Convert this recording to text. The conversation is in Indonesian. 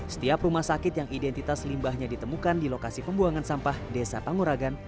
setiap rumah sakit yang identitas limbahnya ditemukan di lokasi pembuangan sampah desa panguragan